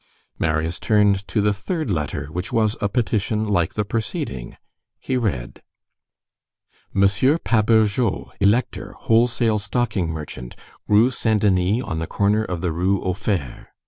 Marius turned to the third letter, which was a petition like the preceding; he read:— Monsieur PABOURGEOT, Elector, wholesale stocking merchant, Rue Saint Denis on the corner of the Rue aux Fers.